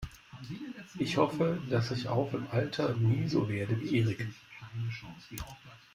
Ich hoffe, dass ich auch im Alter nie so werde wie Erik.